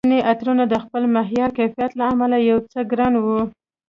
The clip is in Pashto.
ځیني عطرونه د خپل معیار، کیفیت له امله یو څه ګران وي